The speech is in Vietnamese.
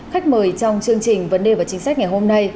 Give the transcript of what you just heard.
khách mời trong chương trình vấn đề và chính sách ngày hôm nay